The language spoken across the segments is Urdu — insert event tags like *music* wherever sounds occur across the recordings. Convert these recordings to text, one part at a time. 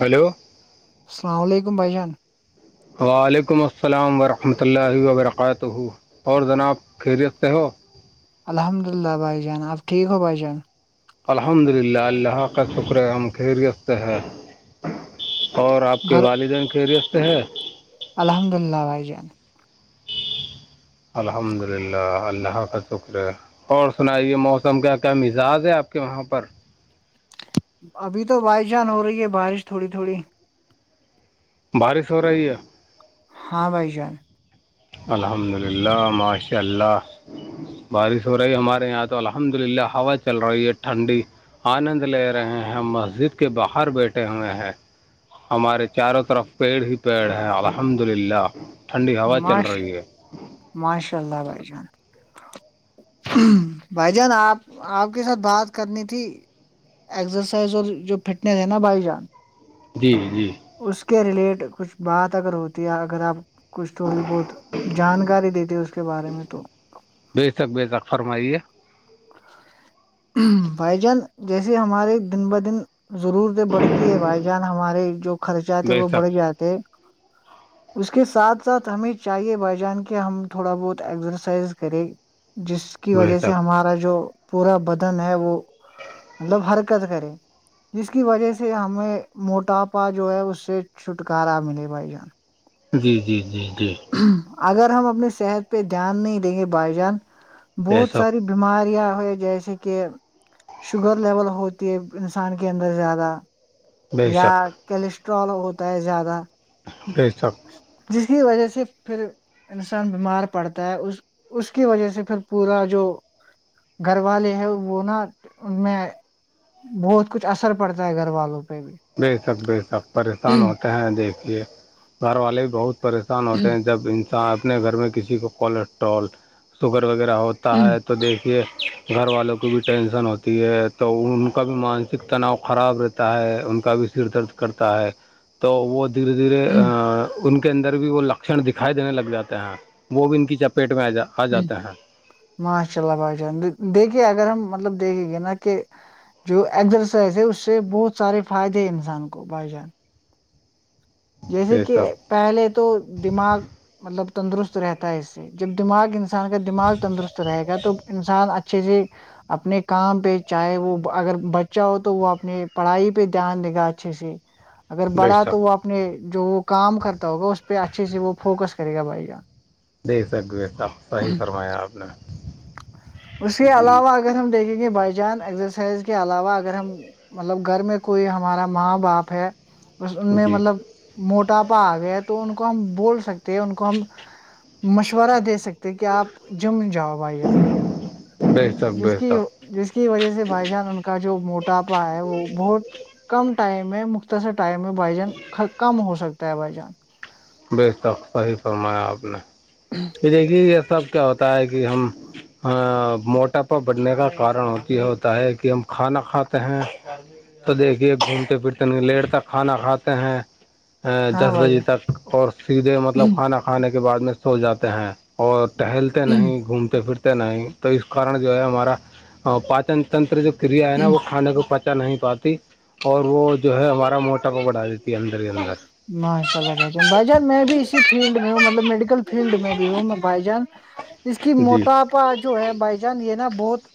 ہیلو السلام علیکم بھائی جان وعلیکم السلام ورحمۃ اللہ وبرکاتہ اور جناب خیریت سے ہو الحمد للہ بھائی جان آپ ٹھیک ہو بھائی جان الحمد للہ اللہ کا شکر ہے ہم خیریت سے ہے اور آپ کے گھر والدین خرست ہیں الحمد اللہ بھائی جان الحمد للہ اللہ حقتکرے اور سنائیے موسم کا کیا مزاج ہے آپ کے وہاں پر ابھی تو بائی جان ہو رہی ہے بارش تھوڑی تھوڑی بارش ہو رہی ہے ہاں بھائی جان الحمد للہ ماشاء اللہ بارش ہو رہی ہمارے یہاں تو الحمد للہ ہوا چل رہی ہے ٹھنڈی آنند لے رہے ہیں مسجد کے باہر بیٹھے ہوئے ہیں ہمارے چاروں طرف پیڑ ہی پیڑ ہیں الحمد للہ ٹھنڈی ہوا چل ماش رہی ہے ماشاء اللہ بھائی جان بھائی جان آپ آپ کے ساتھ بات کرنی تھی ایکسرسائز اور جو فٹنیس ہے نا بائی جانس جی جی اس کے ریلیٹ کچھ بات اگر ہوتی ہے اگر آپ کچھ تھوڑی بہت جانکاری دیتے ہے اس کے بارے میں تو بے تک بے تک فرمائیے *inaudible* بھائی جان جیسے ہمارے دن بہ دن ضرورتیں بڑھتی ہے بھائی جان ہمارے جو خرچات تھے بے وہ شک بڑھ جاتے *inaudible* اس کے ساتھ ساتھ ہمیں چاہیے بائی جان کے ہم تھوڑا بہت ایکزرسائز کریں جس کی بے وجہ سے شک ہمارا جو پورا بدن ہے وہ مطلب حرکت کرے جس کی وجہ سے ہمیں موٹاپا جو ہے اس سے چھٹکارا ملے بھائی جان جی جی جی جی اگر ہم اپنی صحت پہ دھیان نہیں دیں گے بھائی جان بے بہت شک ساری بیماریاں ہوئی جیسے کہ شوگر لیول ہوتی ہے انسان کے اندر زیادہ بے یا شک کیلیسٹرول ہوتا ہے زیادہ بی سب جس کی وجہ سے پھر انسان بیمار پڑتا ہے اس اس کی وجہ سے پھر پورا جو گھر والے ہیں وہ نا ان میں بہت کچھ اثر پڑتا ہے گھر والوں پہ بھی بے شک بے شک پریشان ہوتے ہیں دیکھیے گھر والے بہت پریشان ہوتے ہیں جب انسان اپنے گھر میں کسی کو کولیسٹرول شوگر وغیرہ ہو تو تح تو دیکھیے گھر والوں کی بھی ٹینشن ہوتی ہے تو ان کا بھی مانسک تناؤ خراب رہتا تا ہے ان کا بھی سر درد کرتا ہے تو وہ دھیرے دھیرے ان کے اندر بھی وہ لکھن دکھائی دینے لگ جاتے ہیں وہ بھی ان کی چپیٹ میں آ جاتے ہیں ماشاء اللہ بھائی جان دیکھیے اگر ہم مطلب دیکھیں گے نا کہ جو ایزرسائز ہے اس سے بہت سارے فائدے ہے انسان کو بھائی جان جیسے بے کہ شک پہلے تو دماغ مطلب تندرست رہتا ہے اس سے جب دماغ انسان کا دماغ تندرست رہے گا تو انسان اچھے سے اپنے کام پہ چاہے وہ اگر بچہ ہو تو وہ اپنی پڑھائی پہ دھیان دے گا اچھے سے *inaudible* اگر بڑا شک تو وہ اپنے جو وہ کام کرتا ہوگا اس پہ اچھے سے وہ فوکس کرے گا بھائی جار دے سکوے س صحیح فرمایا آپ نے اس کے جی علاوہ اگر ہم دیکھیں گے بائی جان ایکزرسائز کے علاوہ اگر ہم مطلب گھر میں کوئی ہمارا ماں باپ ہے بس ان میں جی مطلب موٹاپا آ گیا تو ان کو ہم بول سکتے ہیں ان کو ہم مشورہ دے سکتے کہ آپ جم جاؤ بھائی جان بی جس کی جس کی وجہ سے بھائی جان ان کا جو موٹاپا ہے وہ بہت کم ٹائم میں اسا ٹائم ہے بھ جان کم ہو سکتا ہے بھجان بے شق صحیح فرمایا آپ نے کہ دیکھیے یہ سب کیا ہوتا ہے کہ ہم ہ موٹاپا بڑھنے کا کارن ہوتی ہوتا ہے کہ ہم کھانا کھاتے ہیں تو دیکھیے گھومتے پھرتے لیٹ تک کھانا کھاتے ہیں ہاں دس بھائی بجے تک اور سیدھے مطلب کھانا کھانے کے بعد میں سو جاتے ہیں اور ٹہلتے نہیں جان گھومتے پھرتے نہیں تو اس کارن جو ہے ہمارا پاچن تنر جو کریا ہےا وہ کھے کو پ اا نہیں پاتی اور وہ جو ہے ہمارا موٹا کو بڑھا دیتی ہے اندر ہی اندر ماشاء اللہ بھائی جان بھائی جان میں بھی اسی فیلڈ میں ہوں مطلب میڈیکل فیلڈ میں بھی ہوں میں بھائی جان ہ اس کی موٹاپا جو ہے بائی جان یہ نا بہت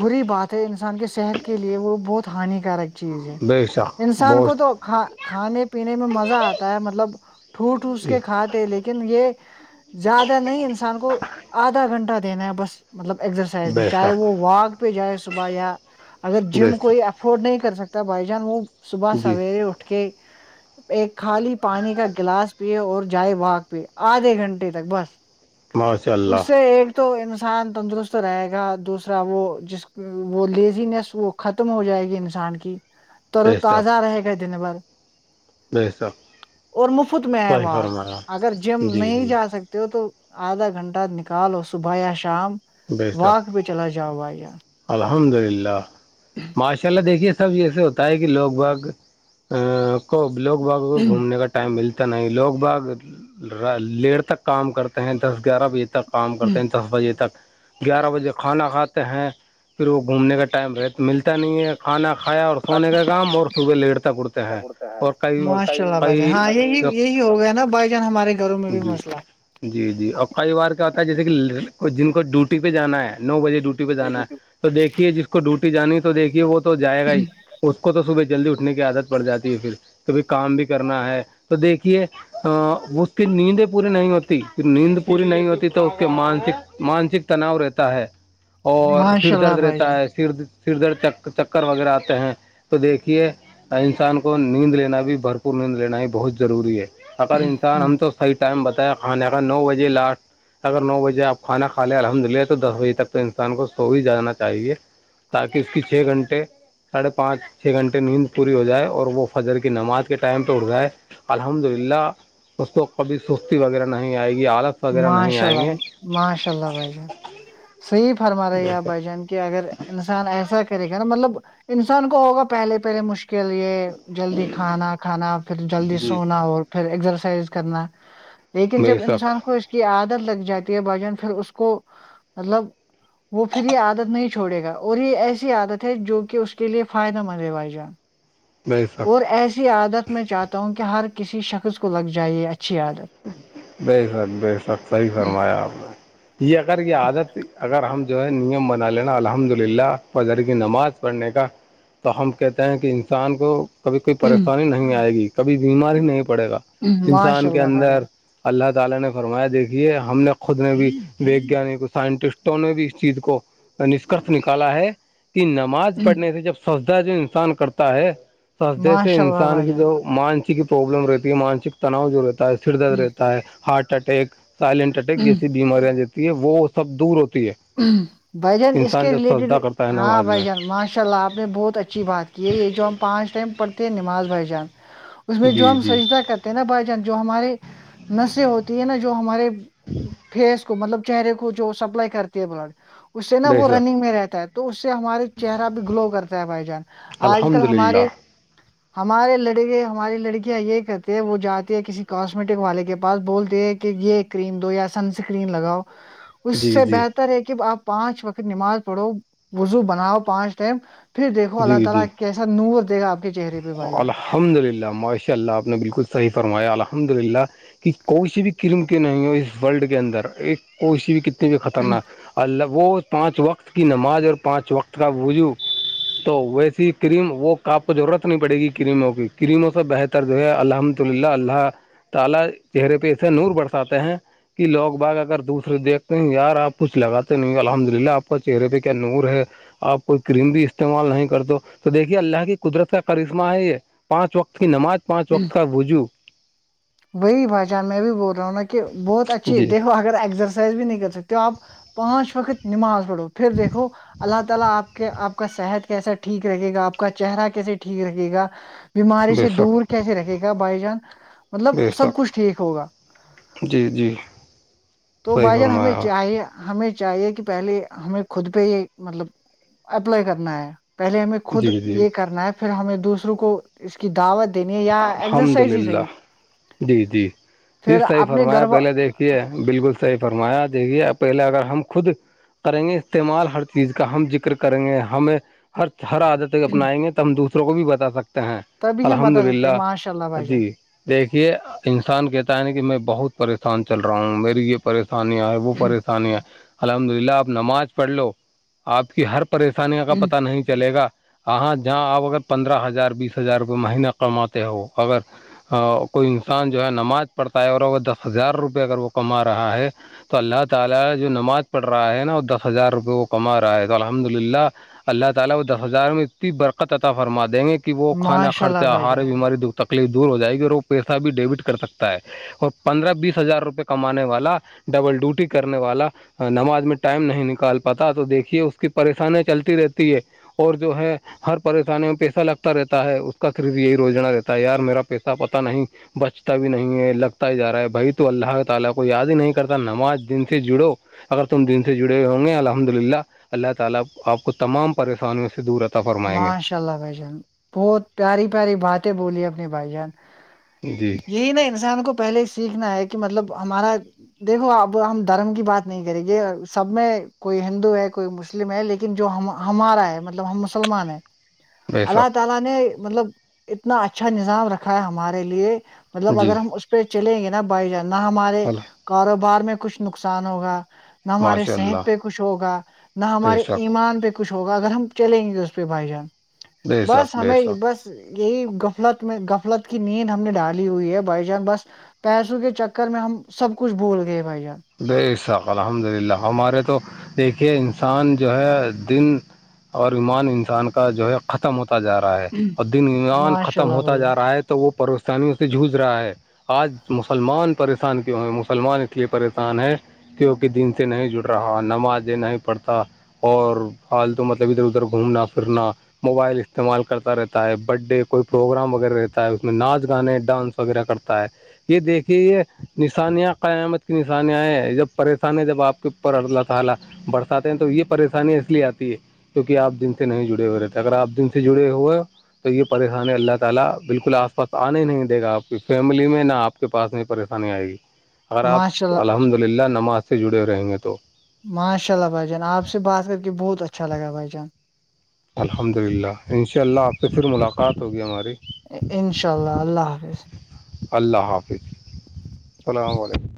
بری بات ہے انسان کے صحت کے لیے وہ بہت ہانیکارک چیز ہے بے شک انسان کو بہت تو ک کھانے پینے میں مزہ آتا ہے مطلب ٹو ٹھوس جی کے کھات لیکن یہ زیادہ نہیں انسان کو آدھا گھنٹہ دینا ہے بس مطلب اگزرسائز میں چاہے بیساکھ وہ واک پہ جائے صبح یا اگر جم بیساکھ کوئی افورڈ نہیں کر سکتا بھائی جان وہ صبح جی سویر اٹھ کے ایک خالی پانی کا گلاس پیے اور جائے باگ پہ آدھے گھنٹے تک بس ماشاء اس اللہ سے تو انسان تندرست رہے گا دوسرا وہ جس وہ لیزنیس وہ ختم ہو جائے گی انسان کی *inaudible* تورو تو آزار ہے گ د نا بار م حساب اور مفت میں ہے وہاک اگر جم جی نہیں جی جا سکتے ہو تو آدھا گھنٹہ نکالو صبح یا شام بیساکھ وااک پہ چلا جاؤ بھائی ان الحمد للہ ماشاء اللہ دیکھیے سب یہسے ہوتا ہے کہ لوگ باگ ا کو لوگ باغ کو گھومنے کا ٹائم ملتا نہیں لوگ بھاگ لیٹ تک کام کرتے ہیں دس گیارہ بجے تک کام کرتے ہیں دس بجے تک گیارہ بجے کھانا کھاتے ہیں پھر وہ گھومنے کا ٹائم رہ ملتا نہیں ہے کھانا کھایا اور سونے کا کام اور صبح لیڑتاک اڑتے ہیں اور کئی ماشاء اللہ بھائی جان ہاں یہی کئیب یہی ہوگیا ہے نا بائی جان ہمارے گھروں میں بھی مسلہ جی جی اور کئی بار کیا ہوتا ہے جیسے کہ جن کو ڈیوٹی پہ جانا ہے نو بجے ڈیوٹی پہ جانا ہے تو دیکھیے جس کو ڈیوٹی جانی تو دیکھیے وہ تو جائے گا ہی اس کو تو صبح جلدی اٹھنے کی عادت پڑ جاتی ہے پھر کبھی کام بھی کرنا ہے تو دیکھیے اس کی نیندیں پوری نہیں ہوتی پ نیند پوری نہیں ہوتی تو اس کے مانسک مانسک تناؤ رہتا ہے اور ماشاء اللہ بھائی جان سردرد چکر وغیرہ آتے ہیں تو دیکھیے انسان کو نیند لینا بھی بھرپور نیند لینا ہی بہت ضروری ہے اگر انسان ہم تو صحیح ٹائم بتایا کھانے کا نو بجے لاسٹ اگر نو بجے آپ کھانا کھا لیں الحمد للہ تو دس بجے تک تو انسان کو سو ہی جانا چاہیے تاکہ اس کی چھ گھنٹے ساڑھے پانچ چھ گھنٹے نیند پوری ہو جائے اور وہ فجر کی نماز کے ٹائم پہ اٹھ جائے الحمد للہ اس کو کبھی سستی وغیرہ نہیں آئے گی آالت ماشاء اللہ ماشاء اللہ بج صحیح فرمار رہیا بجان کہہ اگر انسان ایسا کرے گا نا مطلب انسان کو ہوگا پہلے پہلے مشکل یہ جلدی کھانا کھانا پھر جلدی جی سونا اور پھر ایکسرسائز کرنا لیکن بے جب شک انسان کو اس کی عادت لگ جاتی ہے بھجن پھر اس کو مطلب وہ پھر یہ عادت نہیں چھوڑے گا اور یہ ایسی عادت ہے جو کہ اس کے لیے فائدہ مند ہے بھائی جان بے اور شک ایسی عادت میں چاہتا ہوں کہ ہر کسی شخص کو لگ جائے یہ اچھی عادت بے شک بے شک صحیح فرمایا آپ نے یہ اگر یہ عادت اگر ہم جو ہے نیم بنا لینا الحمد للہ فذر کی نماز پڑھنے کا تو ہم کہتے ہیں کہ انسان کو کبھی کوئی پریشانی نہیں آئے گی کبھی بیمار ہی نہیں پڑے گا ماشاء انسان کے اللہ بھائی اندر جان *unintelligible* نشکرش نکالا ہے کہ نماز پڑھنے سے جب سجدہ جو انسان کرتا ہے سسدے سے ماشاء اللہ انسان بھائی کی جان جو مانسک پروابلم رہتی ہے مانسک تناؤ جو رہتا ہے سر درد رہتا ہے ہارٹ اٹیک سائلنٹ اٹیک جیسی بیماریاں جتی ہے وہ سب دور ہوتی ہے بھ جان اس انسان کے جب ریلیٹڈ بھی سجدہ کرتا ہے ہاں نماز بھائی میں جان ماشاء اللہ آپ نے بہت اچھا ا بات کی ہے یہ جو ہم پانچ ٹائم پڑھتے ہیں نماز بھ جان اس میں جو جی ہم جی سجدہ کرتے نا بھائی جان جو ہمارے نشے ہوتی ہے نا جو ہمارے فیس کو مطلب چہرے کو جو سپلائی کرتی ہے بلڈ اس سے نا بے وہ شک رننگ میں رہتا ہے تو تو اس سے ہمارے چہرہ بھی گلو کرتا ہے بھائی جان آج کل الحمد للہ ہمارے ہمارے لڑکے ہماری لڑکیاں یہ کہتے ہیں وہ جاتے ہے کسی کاسمیٹک والے کے پاس بولتے ہے کہ یہ کریم دو یا سن سکرین لگاؤ اس جی سے جی بہتر ہے کہ آپ پانچ وقت نماز پڑھو وزو بناؤ پانچ ٹائم دیکھو اللہ جی تالا جی کیسا نور دے گا آپ کے چہرے پر بھائی جان الحمد للہ ماشا اللہ آپ نے بالکل صحیح فرمایا الحمد للہ کہ کوئی سی بھی کرم کے نہیں ہو اس وورلڈ کے اندر ایک کوئی سی بھی کتنے بھی خطرناک اللہ وہ پانچ وقت کی نماز اور پانچ وقت کا وجو تو ویسی کریم وہ کاپ ضرورت نی پڑے گی کریموں کی کریموں سے بہتر جو ہے الحمد للہ اللہ تالا چہرے پہ اسے نور برساتے ہیں کہ لوگ باگ اگر دوسرے دیکھتے ہیں یار آپ کچھ لگاتے نہیں الحمد للہ آپ کا چہرے پہ کیا نور ہے آپ کوئی کریم بھی استعمال نہیں کرتے تو دیکھیے اللہ کی قدرت کا اسسما ہے یہ پانچ وقت کی نماز پانچ وقت کا وجو وہی پہچان میں بھی بول رہا ہوں نا کہ بہت اچھی جی دیکھو اگر ایکسرسائز بھی نہیں کر سکتے آپ پانچ وقت نماز پڑھو پھر دیکھو اللہ تالا آپ کا صحت کیسا ٹھیک رکھے گا آپ کا چہرہ کیسا ٹھیک رہے گا بیماری بے سے شک دور کیسے رکھے گا بائی جان مطلب بے سب کچھ شک ٹھیک ہوگا جی جی تو صحیح بھائی جان ہمیں فرمایا چاہے ہمیں چاہیے کہ پہلے ہمیں خود پہ یہ مطلب اپلائی کرنا ہے پہلے ہمیں خود جی جی یہ کرنا ہے پھر ہمیں دوسروں کو اس کی دعوت دینی ہے یا الحمد ایکسرسائز ہی للہ صحیح جی جی ج پھر صحیح اپنے فرمایا پہلے گھر دیکھ بالکل صحیح فرمایا دیکے پہلے اگر ہم خود کریں گے استعمال ہر چیز کا ہم ذکر کریں گے ہمیں ہر ہر عادت اپنائیں گے تو ہم دوسروں کو بھی بتا سکتے ہیں تبھی ہم الحمد بتا سکتے ہیں للہ ماشاء اللہ بھائی جان جی دیکھیے انسان کہتا ہے نا کہ میں بہت پریشان چل رہا ہوں میری یہ پریشانیاں ہے وہ پریشانی ہے الحمد للہ آپ نماز پڑھ لو آپ کی ہر پریشانی کا پتا نہیں چلے گا ہاں جہاں آپ اگر پندرہ ہزار بیس ہزار روپئے مہینہ کا کماتے ہو اگر کوئی انسان جو ہے نماز پڑھتا ہے اور وہ دس ہزار روپئے اگر وہ کما رہا ہے اللہ تالا جو نماز پڑھ رہا ہے نا ہزار روپے وہ کما رہا ہے الحمداللہ اللہ تعالی وہ دس ہزار میں اتنی برکت عطا فرما دیں گے کہ وہ کانا ماشاء خرچ اللہ بھائی جان بیاری تکلیف دور ہو جائے گی اور وہ پیسہ بھی ڈیبٹ کر سکتا ہے اور پندرہ بیس ہزار روپئے کمانے والا ڈبل ڈیوٹی کرنے والا نماز میں ٹائم نہیں نکال پاتا تو دیکھیے اس کی پریشانیاں چلتی رہتی ہے اور جو ہے ہر پریشانی میں پیسہ لگتا رہتا ہے اس کا قریب یہی روجنا دیتا ہے یار میرا پیسہ پتا نہیں بچتا بھی نہیں ہے لگتا جا رہا ہے بھائی تو اللہ تعالی کو یاد ہی نہیں کرتا نماز ان سے جڑو اگر تم دین سے جڑے ہوں گے الحمدللہ اللہ تعالی اپ کو تمام پریشانوں سے عطا فرمائیں گے ماشاء اللہ بھائی جان بہت پیاری پیاری باتیں بولی اپنے بھائی جان جی یہی نا انسان کو پہلے ہی سیکھنا ہے کہ مطلب ہمارا دیکھو اب ہم دھرم کی بات نہیں کریں گے سب میں کوئی ہندو ہے کوئی مسلم لیکن جو ہمارا ہے ہم مسلمان ہیں بے اللہ شک تالا نہ مطلب اتنا اچھا نظام رکھا ہے ہمارے لیے مطلب جی اگر ہم اس پہ چلیں گے نا پائی جائے نہ ہمارے کاروبار میں کچھ نقصان ہوگا نہ ہمارے ماشاء صحت اللہ پہ کچھ ہوگا نہ بے ہمارے شک ایمان پہ کچھ ہوگا اگر ہم چلیں گے اس بھائی جان بے بس شک بے ہمیں شک بس یہی غفلت میں غفلت کی نیند ہم نے ڈھالی ہوئی ہے بائی چانس بس پیسوں کے چکر میں ہم سب کچھ بھول گئے بھائی جان بساک الحمد للہ ہمارے تو دیکھیے انسان جو ہے دن اور ایمان انسان کا جو ہے ختم ہوتا جا رہا ہے اور دن ایمان ماشاء ختم اللہ ہوتا بھائی جان جا رہا ہے تو وہ پریشانیوں سے جوج رہا ہے آج مسلمان پریشان کیوں ہے مسلمان اس لیے پریشان کیونکہ دن سے نہیں جڑ رہا نماز د نہیں پڑھتا اور حال تو مطلب ادھر ادھر گھومنا پھرنا موبائل استعمال کرتا رہتا ہے برتڈ ڈے کوئی پروگرام وغیرہ رہتا ہے اس میں ناچ گانے ڈانس وغیرہ کرتا ہے یہ دیکھییں یہ نشانیاں قیامت کی جب پریشانی جب اپ کے اوپر اللہ تعالی برساتے ہیں تو یہ پریشانییا اس لیے آتی ہے کیونکہ آ دن سے نہیں جڑے ہوئے رہتے اگر آپ دن سے جڑے ہوئے تو یہ پریشانی اللہ تعالی بالکل آس پاس آنے ہی نہیں دے گا آپ کی فیملی میں نہا آپ کے پاس نہیں پریشانی آئے گی اگر آپ ماشاء اللہ الحمد للہ نماز سے جڑے رہیں گے تو ماشاء اللہ بھائی جان آپ سے بات کر کے بہت اچھا لگا بھائی جان الحمد للہ انشاء اللہ آپ سے پھر ملاقات ہوگی ہماری انشاء اللہ اللہ حافظ اللہ حافظ السلام علیکم